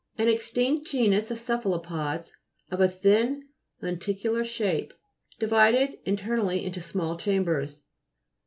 An extinct genus of cephalopods, of a thin lenticular shape, divided internally into small chambers.